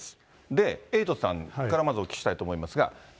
で、エイトさんからまずお聞きしたいと思いますが。